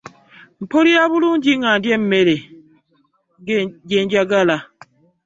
Mpulira bulungi nga ndya emmere gy'enjagala.